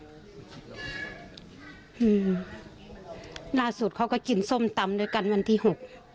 อืมล่าสุดเขาก็กินส้มตำด้วยกันวันที่หก